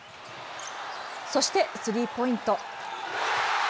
そしてスリーポイント。